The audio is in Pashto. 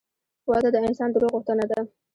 وده د انسان د روح غوښتنه ده.